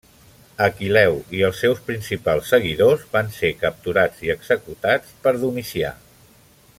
Aquil·leu i els seus principals seguidors van ser capturats i executats per Domicià.